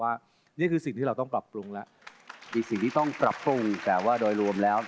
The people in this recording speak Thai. ว่านี่คือสิ่งที่เราต้องปรับปรุงแล้วมีสิ่งที่ต้องปรับปรุงแต่ว่าโดยรวมแล้ว